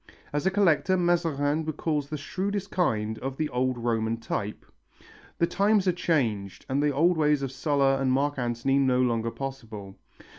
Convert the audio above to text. As a collector Mazarin recalls the shrewdest kind of the old Roman type. The times are changed and the old ways of Sulla and Mark Antony no longer possible.